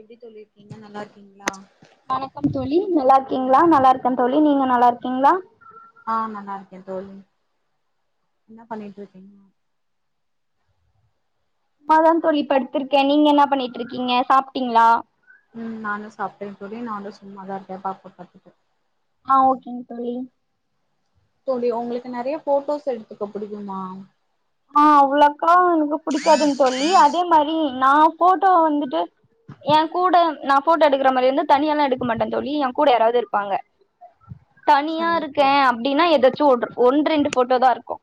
எப்டி தோழி இருக்கீங்க? நல்லாருக்கீங்ளா? வணக்கம் தோழி நல்லாருக்கீங்ளா? நல்லாருக்க தோழி, நீங்க நல்லாருக்கீங்ளா? ஆ நல்லாருக்கே தோழி என்ன பண்ணிட்ருக்கீங்க? சும்மாதா தோழி படுத்துருக்கே நீங்க என்ன பண்ணிட்ருக்கீங்க? சாப்டீங்ளா? ம் நானு சாப்டே தோழி நானு சும்மாதா இருக்கே பாப்பா பாத்துட்டு அ ஓகேங் தோழி தோழி ஒங்களுக்கு நறைய ஃபோட்டோஸ் எடுத்துக்க புடிக்குமா? ஆ அவ்ளக்கா எனக்கு புடிக்காதுங் தோழி அதே மாரி நா ஃபோட்டோ வந்துட்டு ஏ கூட நா ஃபோட்டோ எடுக்குற மாரிருந்தா தனியால்லா எடுக்க மாட்டே தோழி எ கூட யாராவ்து இருப்பாங்க சரிங்க தனியாருக்கே தோழி அப்டின்னா எதாச்சு ஒட்‌ ஒன் ரெண்டு ஃபோட்டோ தா இருக்கு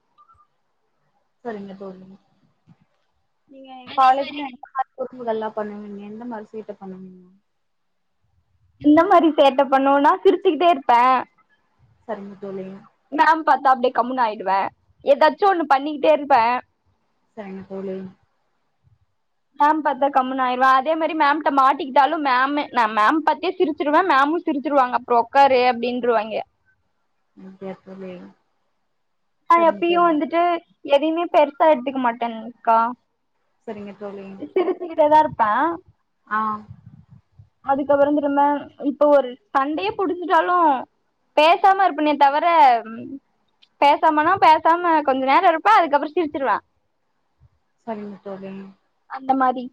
சேரிங்க தோழி நீங்க அதே மாரி காலேஜ்ல [inaudible] குறும்புகெல்லா பண்ணுவீங்க எந்த மாரி சேட்ட பண்ணுவீங்க இந்த மாரி சேட்ட பண்ணுவொன்னா சிரிச்சுக்கிட்டே இருப்பே சரிங்க தோழி மேம் பாத்தா அப்டியே கம்முன் ஆயிடுவே எதாச்சு ஒன்னு பண்ணிகிட்டே இருப்பே சேரிங்க தோழி மேம் பாத்தா கம்முனு ஆயிருவா அதே மாரி மேம் கிட்ட மாட்டிக்கிட்டாலும் மேமு நா மேம் பாத்தே சிருச்சுருவ மேமு சிருச்சுருவாங்க அப்புறௌ உக்காரு அப்டின்ருவாங்கே அப்டியா தோழி ஆ சரிங்க எப்பயு தோழி வந்துட்டு எதையுமே பெருசா எடுத்துக்க மாட்டேன்க்கா சேரிங்க தோழி இங்தா இருப்ப ஆ அதுக்கப்புறோ வந்துட்டு என்ன இப்ப ஒரு சண்டைய புடுச்சுட்டாலு பேசாம இருப்பனே தவர ம் பேசாமனா பேசாம கொஞ்ச நேரோ இருப்ப அதுக்கப்புறோ சிருச்சுருவ சேரிங்க தோழி அந்த மாரி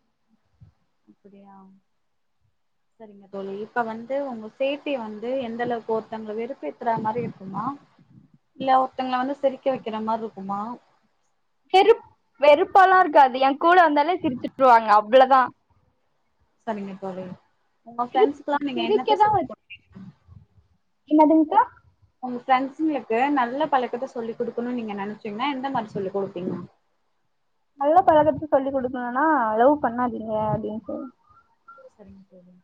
சேரிங்க தோழி இப்ப வந்து உங்க சேஃப்டிய வந்து எந்த அளவுக்கு ஒருத்தங்கள வெருப்பேத்துற மாரி இருக்குமா இல்ல ஒருத்தங்கள வந்து சிரக்க வெக்குற மாரி இருக்குமா வெறுப் வெறுப்பெல்லாம் வெறுப் வெறுப்பா எல்லா இருக்காது எ கூட வந்தாலே சிருச்சுட்ருவாங்க அவ்ளதா சேரிங்க தோழி உங்க சிரிப் ஃப்ரெண்ட்ஸ்கெல்லா நீங்க என்னத்த சொல்லி குடுப்பீங்க என்னதுங்கா உங்க ஃப்ரெண்ஸ்ங்களுக்கு நல்ல பழக்கத்த சொல்லிக் குடுக்கணுன் நீங்க நெனச்சீங்கன்னா எந்த மாரி சொல்லிக் குடுப்பீங்க நல்ல பழக்கத்த சொல்லி் குடுக்கணுன்னா லவ் பண்ணாதீங்க அப்டின் சொல்லி சேரிங் தோழி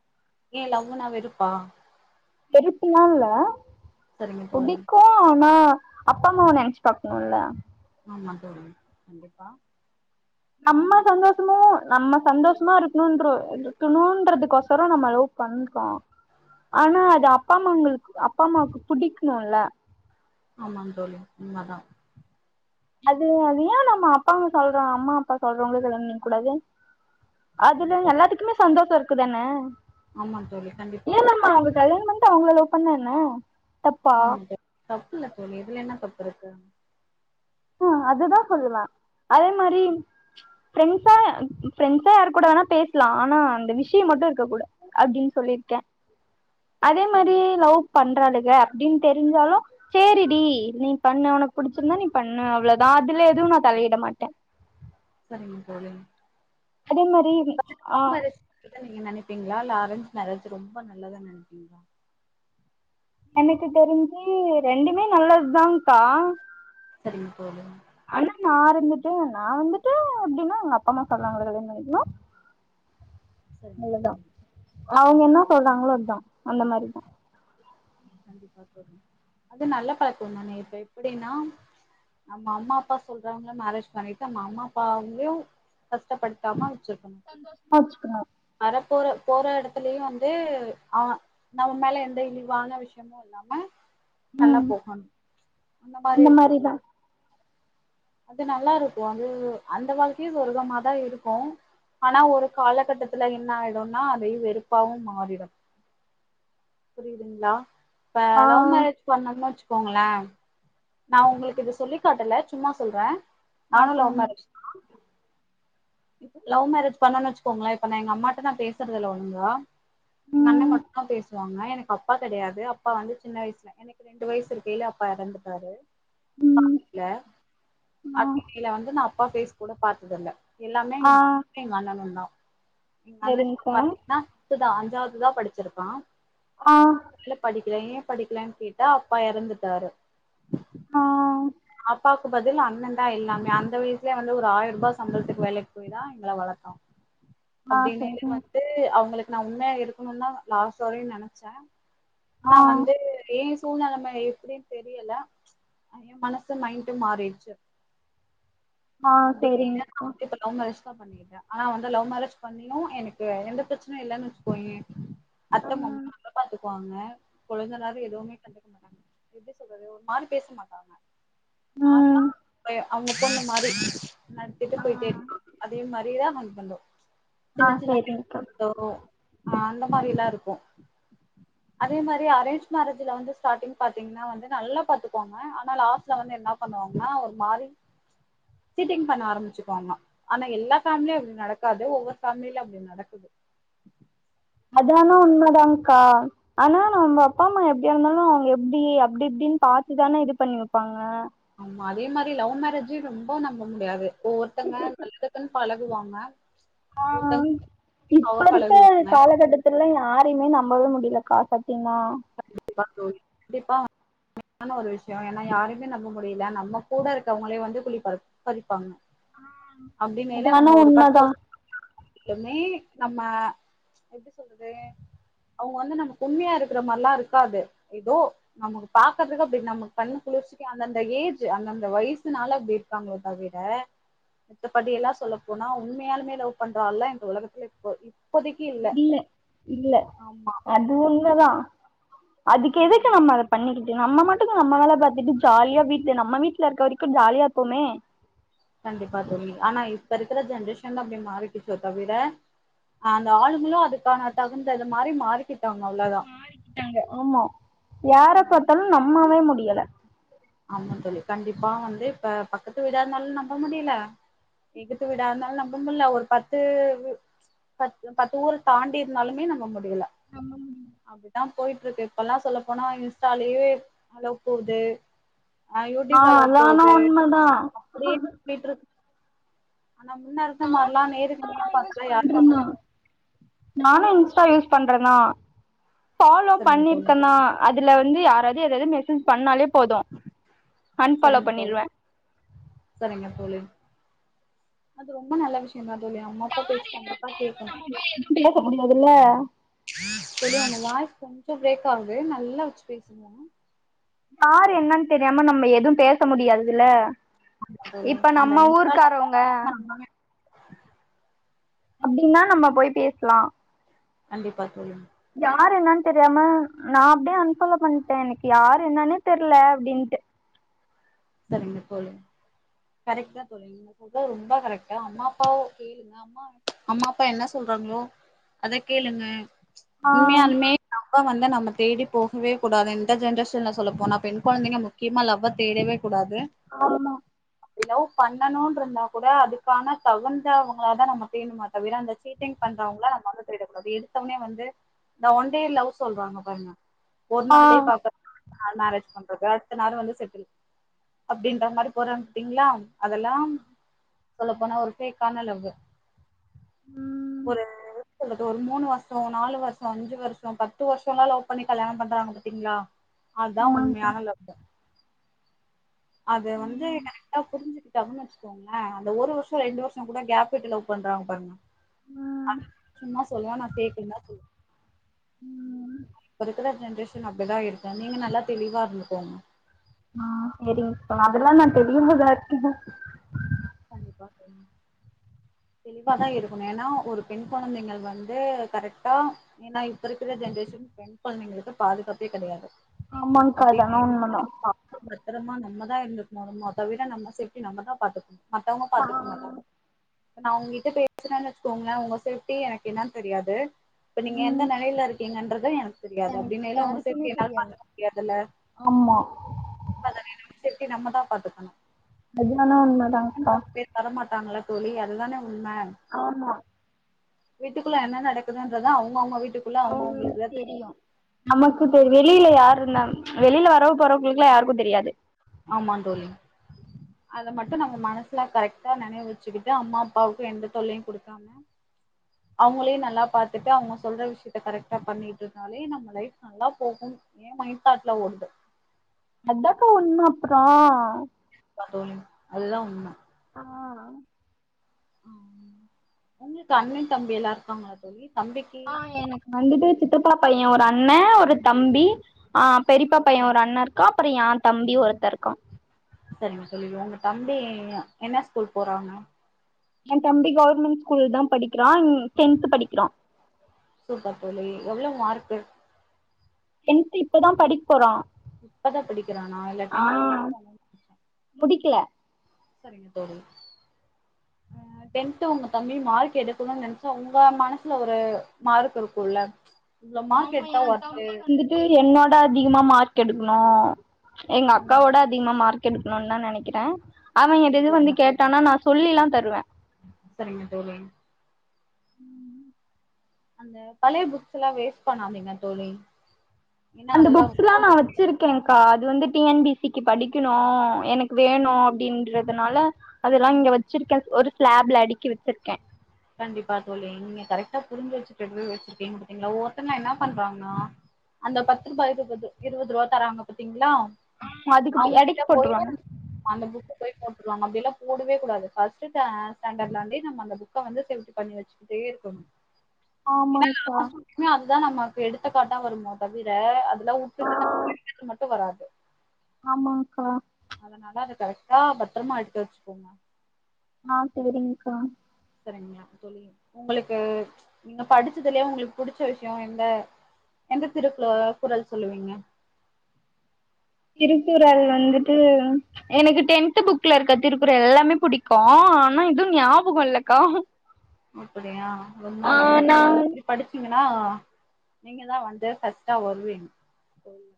ஏ லவ்வுனா வெறுப்பா வெறுப்புல்லா இல்ல சரிங்க தோழி புடிக்கு ஆனா அப்பா அம்மாவ நெனச்சு பாக்கணுல ஆமா தோழி கண்டிப்பா ஆ நம்ம சந்தோஷமு நம்ம சந்தோஷமா இருக் இருக்கணுன்ற இருக்கணுன்றதுக் கொசரோ நம்ம லவ் பண்றோ ஆனா அது அப்பா அம்மாங்களுக்கு அப்பா அம்மாக்கு புடிக்கணுல்ல ஆமாந் தோழி உண்மதா அது அது ஏ நம்ம அப்பாவுங்க சொல்றோ அம்மா அப்பா சொல்றோவங்கள கல்யாணம் பண்ணிக்க கூடாது அதுல கண்டிப்பா தோழி. எல்லாத்துக்குமே சந்தோஷோ இருக் இருக்கு தான ஆமா தோழி கண்டிப்பா கல்யாணோ பண்ணிட்டு அவங்கள லவ் பண்ணா என்ன தப்பா ஆமா த தப் இல்ல தோழி இதுல என்ன தப்பு இருக்கு ஆ அதுதா சொல்லுவே அதே மாரி ஃப்ரண்ஸா ஃப்ரண்ட்ஸா யார் கூட வேணா பேசலா ஆனா அந்த விஷயோ மட்டு இருக்க கூடா அப்டின்னு சொல்லிருக்கே அதே மாரி சரிங்க லவ் பண்றாளு ஏ அப்டின்னு தெரிஞ்சாலு செரி டி நீ பண்ணு உனக்கு புடிச்சிருந்தா நீ பண்ணு அவ்ளோதா அதுல எதுவு நா தலையிட மாட்டே சரிங்க தோழி அதே மாரி இப்ப ஆ லவ் மேரேஜ் நல்லதுன்னு நீங்க நினைப்பீங்களா இல்ல அரேஞ்ச் மேரேஜ் ரொம்ப நல்லதுனு நினைப்பீங்களா எனக்கு தெரிஞ்சு ரெண்டுமே நல்லதுதான்க்கா சரிவு போலு ஆனா நா இருந்துட்டு நா வந்துட்டு எப்டின்னா எங்க அப்ப அம்மா சொன்னாங்களா கல்யாணோ பண்ணிக்கனு சரிங்க அவ்ளதா தோழி அவங்க என்ன சொல்றாங்களோ அதுதா அந்த மாரிதா கண்டிப்பா தோழி அது நல்ல பழக்கோ தானே இப்ப எப்டின்னா நம்ம அம்மா அப்பா சொல்றவங்கள மேரேஜ் பண்ணிட்டு நம்ம அம்மா அப்பாவயு கஷ்டப்படுத்தாம சந்தோசமா வச்சிக்கனு வர போற போற எடத்துலயு வந்து அவ நம்ம மேல எந்த இழிவான விஷயமு இல்லாம நல்லா ம் போகணு அந்த மாரி இருக்கும்ல அது நல்லா இருக்கு அது அந்த வாழ்க்கையு சொர்க்கமாதா இருக்கு ஆனா ஒரு காலகட்டத்துல என்ன ஆயிடும்னா அதே வெறுப்பாவு மாறிடு புரியுதுங்ளா இப்ப ஆ லவ் மேரேஜ் பண்ணோம்னு வச்சு கோங்களே நா உங்களுக்கு இத சொல்லி காட்டல சும்மா சொல்றே ஆ நானு சொல்லுங்க லவ்மேரேஜ் தா இப்ப லவ் மேரேஜ் பண்ணோனு வச்சுக்கோங்களே இப்ப நா எங்க அம்மாட்ட நா பேசுறது இல்ல ஒழுங்கா எங்க அண்ணே ம் மட்டுந்தா பேசு வாங்க எனக்கு அப்பா கிடையாது அப்பா வந்து சின்ன வயசுல எனக்கு ரெண்டு வயசு இருக்கயிலேயே அப்பா எறந்து ட்ராரு அப்பா ம் இல்ல ஆ அப்டிங்கைல வந்து நா அப்பா ஃபேஸ் கூட பாத்ததில்ல எல்லாமே ஆ எங்க [inaudible] எங்க அண்ணனு தா நீ அண்ண இப்ப சரிங்க்கா பாத்தீங்கன்னா சுதா எட்டாவதுதான் படிச்சிருக்கான் ஆஹ் ஏன் படிக்கலன்னு கேட்டா அப்பா இறந்துட்டாரு ஆ அப்பாக்கு பதில் அண்ணன் தான் இல்லாமே அந்த வயசலயே வந்து ஒரு ஆயிரம் ரூபாய் சம்பளத்துக்கு வேலைக்கு போய தான் எங்களை வளர்த்தான் ஆ அப்படின்னாலே சரிங் வந்து அவங்களுக்கு நான் உண்மை யா இருக்கணும் தான் லாஸ்டு வரைக்கும் நினைச்சேன் ஆனா ஆ வந்து ஏன் சூழ்நிலமை எப்படனு தெரியல மனசு மைண்டு மாறிடுச்சு ஆஹ் சரிங்கக்கா பண்ணிக்கிட்டா ஆனா வந்து லவ் மேரேஜ் பண்ணியும் எனக்கு எந்த பிரச்சனயும் இல்லன்னு வச்சுகோயேன் அத்த ம் மாமா நல்லா பாத்து வாங்க குழந்தைகளும் எதுவுமே கண்டுக்க மாட்டாங்க எப்டி சொல்றது ஒரு மாரி பேச மாட்டாங்க நான் ம் தான் அவங்க பொண்ணு மாரி நடத்திட்டு ஆ போய்ட்டே இருப்பாங்க அதே மாரி இதான் மண் பண்ணோம் ஆ சின்ன சின்ன சரிங்க்கா சண்டை வரும் ஆனா மாரிலா இருக்கும் அதே மாரி அரேஞ் மேரேஜ் ல வந்து ஸ்டார்ட்டிங் பாத்திங்கனா வந்து நல்லா பாத்துப்பாங்க ஆனா லாஸ்ட் ந்து என்ன பண்ணுவாங்கன்னா ஒரு மாரி சீட்டிங் பண்ண ஆரம்பிச்சுக்குவாங்க ஆனா எல்லா ஃபேமிலிலயும் அப்டி நடக்காது ஒவ்வொரு ஃபேம்மிலில அப்டி நடக்குது அது ஆனா உண்மைதான்கா ஆனா நம்ம அப்பா அம்மா எப்டியா இருந்தாலும் அவங்க எப்டி அப்டி இப்டின்னு பாத்துதானே இது பண்ணி வைப்பாங்க ஆமா அதே மாரி லவ் மேரேஜும் ரொம்ப நம்ப முடியாது ஒவ்வொருத்தங்க நல்லதுக்குன்னு பழ குவாங்க ஆஹ் இப்ப இருக்க பழகுவாங்க காலகட்டத்துல யாரையுமே நம்பவே முடியல கா கண்டிப்பா தோழி கண்டிப்பா ஆனா ஒரு விஷயம் ஏன்னா யாருமே நம்ப முடியல நம்ம கூட இருக்கவங்களே வந்து குழிபறிப்பாங்க அப்டிங்கையில அது ஆனா நம்ம ஒரு பத்து உண்மதா வருசமே நம்ம எப்டி சொல்றது அவங்க வந்து நமக்கு உண்மையா இருக் க்கிற மார்லா இருக்காது ஏதோ நமக்கு பாக்குறதுக்கு அப்டி நம்ம கண்ணு குளிர்ச்சிக்கு அந்தந்த ஏஜு அந்தந்த வயசுனால அப்டி இருக்காங்கலே தவிர மித்தபடி எல்லா சொல்லப்போனா உண்மயாலுமே லவ் பண்ற ஆள்லா‌ இந்த ஒலகத்துல இப்ப இப் இல்ல இல்ல ஆமா அது உண்மதா அதுக்கு அது எதுக்கு உண்ம நம்ம அத பண்ணிக் எ நம்ம மட்டுக்கு நம்ம வேல பாத்துட்டு ஜாலியா வீட்ல நம்ம வீட்ல இருக்க வரைக்கு ஜாலியா இருப்போமே கண்டிப்பா தோழி ஆனா இப்ப இருக்குற ஜென்ரேஷன்ல அப்டி மாறிக்கிச்சோ தவிர அந்த ஆளுங்களு அதுக்கான தகுந்தது மாரி மாறிக்கி மாறிக்கிட்டாங்க ஆமா யாரப் ஆமா பாத்தாலு இப்போதைக்கு நம்மவே முடியல ஆமா தோழி கண்டிப்பா வந்து இப்ப பக்கத்து வீடா இருந்தாலு நம்ப முடில எகுத்த வீடாருந்தாலு நம் ப முல்ல ஒரு பத்து பத் பத்து ஊரு தாண்டி இருந்தாலுமே நம்ப மு டியில அப்டித்தா போயிட்ருக்கு இப்பல்லா சொல்லப்போனா இன்ஸ்டாலயே அலவ் போது ஆ யூடியூப்ல அலவ் அது ஆனா போது உண்மதா அப்டியே பண்ணிட்ருக் ஆனா முன்ன இருந்த மார்லா நேருக்கு நேர் பாத்து யாரு [inaudible] நானு இன்ஸ்டா யூஸ் பண்றந்தா ஃபாலோ சரிங்க தோழி பண்ணிருக்கன்னா அ துல வந்து யாராது எதாது மெசேஜ் பண்ணாலே போது அன்ஃபாலோ சரிங்க தோழி பண்ணிருவே சரிங்க தோழி அது ரொம்ப நல்ல விஷ் யந்தா தோழி அம்மாப்பா பேச்சு கண்டிப்பா கேக்கணு ல்ல தோழி ஒங்க வாய்ஸ் கொஞ்ச பிரேக் ஆவுது நல்லா வச்சு பேசுங்க யாரு என்னன் தெரியாம நம்ம எதும் பேச முடியாதுல்ல ஆமா தோழி இப்ப அந்த நம்ம இன்ஸ்டால ஊர்க்காரவ்ங்க அப்டின்னா நம்ம போய் பேசலா கண்டிப்பா தோழி யார் என்னன் தெரியாம நா அப்டியே அன்ஃபாலோ பண்ட்டே எனக்கு யாரு என்னனே தெர்ல அப்டின்ட்டு சரிங்க தோழி கரெக்ட் தா தோழி நீங்க செஞ்சது ரொம்ப கரெக்டா அம்மாப்பாவு கேளுங்க அம்மா அம்மாப்பா என்ன சொல்றாங்ளோ அத கேளுங்க ஆ உண்மயாலுமே வ வந்து நம்ம தேடி போகவே கூடாது இந்த ஜென்ரேஷன்ல சொல்லப்போனா பெண் கொழந்தைங்க முக்கியமா லவ்வ தேடவே கூடாது ஆமா லவ் பண்ணணும் இருந்தா கூட அதுக்கான தகுந்தவங்கள தான் நம்ம தேணுமா தவிர அந்த சீட்டிங் பண்றவங்களா நம்ம வந்து தேடக்கூடது அது எடுத்தத்தவனே வந்து இந்த ஒன்டே லவ் சொல்றாங்க பாருங்க ஒரு ஆ நாள்லயே பாக்க ஹ மேரேஜ் பண்றது அடுத்த நாளு வந்து செட்டில் அப்படின்ற மாதிரி போறன் கிட்டீங்களா அதெல்லாம் சொல்ல போனா ஒருபேக்கே க்கான லவ்யு ஒரு கொறஞ்சது ஒரு மூணு வருஷம் நாலு வருஷம் அஞ்சு வருஷம் பத்து வருஷம் எல்லாம் லவ் பண்ணி கல்யாணம் பண்றாங்க பாத்தீங்களா அதுதான் உண்மையான லவ்வு அது வந்து கரெக்டா புரிஞ்சுரு வச்சுக்கோங்களேன் அந்த ஒரு வருஷம் ரெண்டு வருஷம் கூட கேப் விட்டு லவ் பண்றாங்க பாருங்க சும்மா சொல்லுவான் நான் பேக்கேனு சொல்லுவேன் வதுக்கிற ஜென்ரேஷன் அப்படிதான் இருக்கும் நீங்க நல்லா தெளிவா இருந்துக்கோங்க ஹ செரி இப்ப அதெல்லாம் நான் தெளிவாதான் இரு பண்றப்ப தெளிவாதான் இருக்கணும் ஏன்னா ஒரு பெண் குழந்தைகள் வந்து கரெக்டா ஏன்னா இப்ப இருக்கிற ஜென்ரேஷன் பெண் குழந்தைங்களுக்கு பாதுகாப்பே கெடையாது ஆமாக்கா அதானா அப்டின்னு உண்மதான் பத்திரமா நம்மதான் இருந்துக்கணும் அதை விட நம்ம நம்ம தான் பாத்துக்கணும் மத்தவங்க ஆ பாத்துக்க மாட்டாங்க நான் உங்கிட்ட பேசுறேன்னு வச்சுக்கோங்களேன் உங்க சேப்டி எனக்கு என்னானு தெரியாது இப்ப நீங்க எந்த நெலையில இருக்கீங்கன்றத எனக்கு தெரியாது எனக்கு அப்படின்னயில்ல உங்க யாருக்குமே சேஃப்டி என்னால தெரியாது பாத்துக்க முடியாதுல்ல ஆமா நம்ம தான் பாத்துக்கணும் நெஜமாலுமே உண்மை தான் கா இருக்காங்களா தோழி அதுதானே உண்ம ஆமா வீட்டுக்குள்ள என்ன நடக்குதுன்றது அவுங்க அவுங்க வீட்டு அவுங்களுக்கு தெரியும் நமக்கு இப்ப வெளியில யாரு இருந்தா வெளியில யாராவது போறவங்களுக்குல்லாம் யாருக்கும் தெரியாது ஆமா தோழி அதை மட்டும் நம்ம மனசுல கரெக்டா நினைவு வச்சுக்கிட்டு அம்மா அப்பாவுக்கு எந்த தொல்லையும் குடுக்காம அவங்களையும் நல்லா பாத்துட்டு அவங்க சொல்ற விஷயத்த கரெக்டா பண்ணிட்டு இருந்தாலே நம்ம லைஃப் நல்லா போகும் என் மைண்ட்தாட்ல ஓடுது அதுதான்கா உண்மை கா தோழி அது தான் உண்மை ஆஹ் உங்களுக்கு அண்ணன் தம்பிலாம் இருக்காங்களா தோழி தம்பிக்கு ஆ எனக்கு வந்துட்டு சித்தப்பா பைய ஒரு அ ண்ணே, ஒரு தம்பி, ஆ பெரிப்பா பைய ஒரு அண்ண இருக்கா அப்புற ஏன் தம்பி ஒருத்த இருக்கா. சரிங்க தோழி. உங்க தம்பி அ என்ன ஸ்கூல் போறாங்க? ஏன் தம்பி கவர்மெண்ட் ஸ்கூல்தா படிக்கிறான் டென்த்து படிக்கிறா. சூப்பர் தோழி எவ்ளோ மார்க்கு? டென்த்து‌ இப்பதா படிக் போறா இப்பதா படிக்கிறானா இல்ல ஆ டென்த் முடிச்சுட்டானான்னு முடிக்கல சரிங்க தோழி. ஆ டென்த்து உங்க தம்பி மார்க் எடுக்கணுன்னு நெனைச்சா உங்க மனசுல ஒரு மார்க் இருக்குல்ல இவ்ளோ மார்க் ஆமா எடுத்தா ஏன் ஒர்த்து தம்பி வந்துட்டு என்ன விட அதிகமா மார் க் எடுக்கணு எங்க அக்காவ ம் விட அதிகமா மார்க் எடுக்கணுன்னுதா நெனைக் க்கிறே அவ எதயெதயோ வந்து சரிங்க தோழி கேட்டான்னா நா சொல்லிலா தருவே சரிங்க தோழி ம் அந்த பழைய புக்ஸல்லா வேஸ்ட் பண்ணாதீங்க தோழி. ஏன்னா அந்த அதெல்லா புக்ஸ்லா ரொம்ப நா முக் வச்சிருக்கேங்க்கா இது வந்து டி என் பி சி க்கு படிக்கணு எனக்கு வேணு அப்டின்றதுனால அதெல்லா இங்க வச்சிருக்கே ஒரு ஸ்லாப்ல அடிக்கி வச்சிருக்கே கண்டிப்பா தோழி நீங்க கரெக்டா புரிஞ்சு வச்சுட்டு வச்சீருக்கிங்க பாத்தீங்களா. ஒவ்வொர்த்தங்க என்ன பண்றாங்கன்னா அந்த பத்து ரூபா இருவது இருவது ரூபா தராங்க பாத்தீங்களா அதுக்கு அவங்க கிட்ட அடுக்கி போயி போட்டுருவாங்க அந்த புக்கு போய் போ ட்ருவாங்க அப்டியெல்லா போடவே கூடாது. ஃபர்ஸ்ட் ஸா ஸ்டாண்டர்ட்ல இருந்தே நம்ம அந்த புக் க வந்து சேஃப்டி பண்ணி வச்சுக்கிட்டே இருக்கணு ஆமாங்க்கா அதா நமக்கு எடுத்துக்காட்டா வருமோ தவிர அதெல்லா விட்டுட்டு ந [inaudible] மட்டு வராது ஆமாக்கா அதனால அத கரெக்டா பத்தரமா எடுத்து வச்சுக்கோங்க ஆ சேரிங்க்கா செரிங்ளா தோழி. உங்களுக்கு நீங்க படிச்சதுலயே உங்களுக்கு புடிச்ச விஷயோ எந்த எந்த திருக்ளோ குரல் சொல்லுவீங்க திருக்குறள் வந்துட்டு எனக்கு டென்த் புக்ல இருக்க திருக்குறள் எல்லாமே புடிக்கு ஆனா எது ஞாபகோ இல்லக்கா அப்பிடியா ரொம்ப ஆ நல்லது நா தோழி இப்பிடி படிச்சீங்க னா நீங்கதா வந்து ஃபஸ்ட்டா வருவீங்க தோழி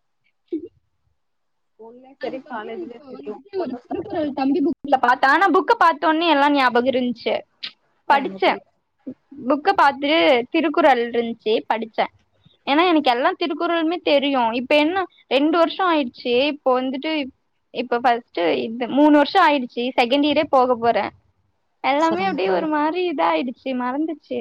சரி அதுக்கப்புறோ காலேஜ்லயு இப்ப சரி வந்துட்டு ஒரு போட்டோஸ். திருக்குறள் தம்பி புக்குல பாத்தே ஆனா புக்க பாத் சொன்னதுயெல்லாம் ஞாபகம் இருஞ்சு சரிங்க படிச்சேன் தோழி புக்க பாத்து திருக்குறள் இருந்துச்சு படிச்சேன் ஏன்னா எனக்கு எல்லா திருக்குறளுமே தெரியும் இப்ப என்ன ரெண்டு வருஷம் ஆயிருச்சு இப்ப வந்துட்டு இப்ப பர்ஸ்ட் மூணு வருஷம் ஆயிடுச்சு செகண்ட் இயர்போக போறேன் எல்லாமே சரிங்க அப்படியே தோழி ஒரு மாதிரி இத ஆயிடுச்சி செரி மறந்துச்சு